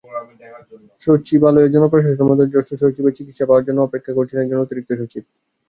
সচিবালয়ে জনপ্রশাসন মন্ত্রণালয়ের জ্যেষ্ঠ সচিবের সাক্ষাৎ পাওয়ার জন্য অপেক্ষা করছিলেন একজন অতিরিক্ত সচিব।